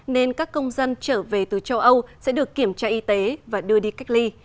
nên các công dân trở về từ châu âu sẽ được kiểm tra y tế và đưa đi cách ly